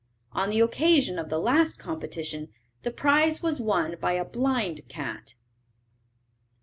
On the occasion of the last competition the prize was won by a blind cat."